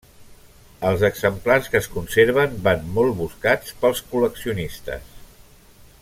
Els exemplars que es conserven van molt buscats pels col·leccionistes.